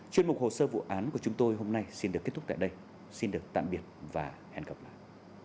chuyên mục hồ sơ vụ án của chúng tôi hôm nay xin được kết thúc tại đây xin được tạm biệt và hẹn gặp lại